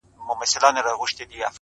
زه خو یارانو نامعلوم آدرس ته ودرېدم ‘